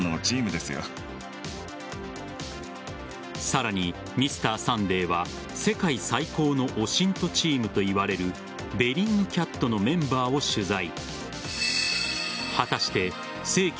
さらに「Ｍｒ．サンデー」は世界最高のＯＳＩＮＴチームといわれるベリングキャットのメンバーを取材。